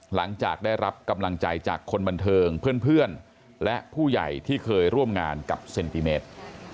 หลังจากได้รับกำลังใจจากคนบันเทิงเพื่อนและผู้ใหญ่ที่เคยร่วมงานกับเซนติเมตร